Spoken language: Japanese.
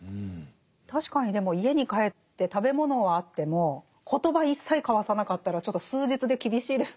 確かにでも家に帰って食べ物はあっても言葉一切交わさなかったらちょっと数日で厳しいですもんね。